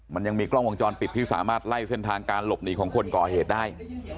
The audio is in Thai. มันยังมีกล้องวงจรปิดที่สามารถไล่เส้นทางการหลบหนีของคนก่อเหตุได้